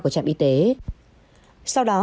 của trạm y tế sau đó